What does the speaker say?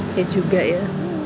ya juga ya